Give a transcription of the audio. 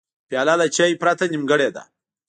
پیاله له چای پرته نیمګړې ده.